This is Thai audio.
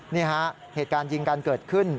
นี่ฮะเหตุการณ์ยิงกันเกิดขึ้น